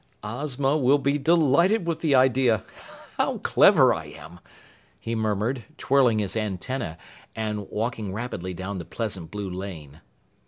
"Ozma will be delighted with the idea. How clever I am!" he murmured, twirling his antennae and walking rapidly down the pleasant blue lane.